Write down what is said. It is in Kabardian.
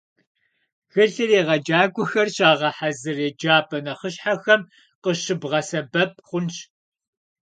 Тхылъыр егъэджакӀуэхэр щагъэхьэзыр еджапӀэ нэхъыщхьэхэми къыщыбгъэсэбэп хъунщ.